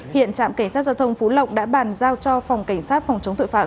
hiện trạm cảnh sát giao thông phú lộc đã bàn giao cho phòng cảnh sát phòng chống tội phạm